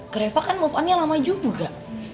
ke reva kan move on nya lama juga